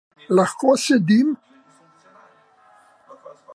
Lahko sedim?